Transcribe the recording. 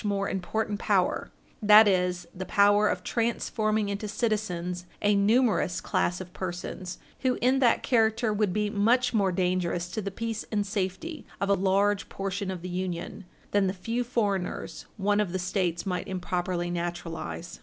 418 more important power that is, the power of transforming into citizens a numerous class of persons who, in that character, would be much more dangerous to the peace and safety of a large portion of the Union than the few foreigners one of the States might improperly naturalize.